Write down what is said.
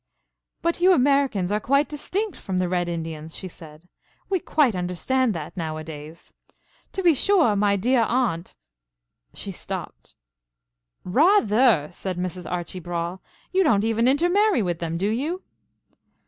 "But you Americans are quite distinct from the red Indians," she said. "We quite understand that nowadays. To be sure, my dear Aunt " She stopped. "Rather!" said Mrs. Archie Brawle. "You don't even intermarry with them, do you?"